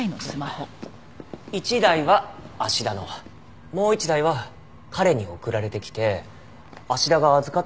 一台は芦田のもう一台は彼に送られてきて芦田が預かってたそうです。